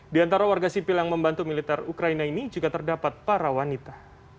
di antara warga sipil yang membantu militer ukraina ini juga terdapat para wanita